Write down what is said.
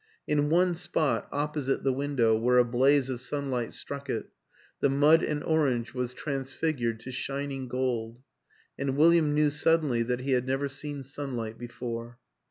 In one spot, opposite the window, where a blaze of sunlight struck it, the mud and orange was transfigured to shining gold and William knew suddenly that he had never seen sunlight before.